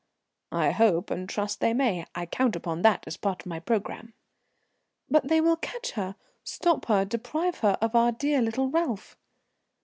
"I hope and trust they may. I count upon that as part of my programme." "But they will catch her, stop her, deprive her of our dear little Ralph."